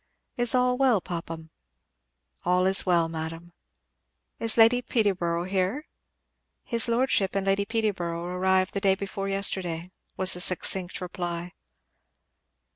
"Is all well, Popham?" "All is well, madam!" "Is Lady Peterborough here?" "His lordship and Lady Peterborough arrived the day before yesterday," was the succint reply.